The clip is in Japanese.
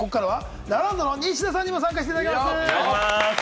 ラランドのニシダさんにも参加していただきます。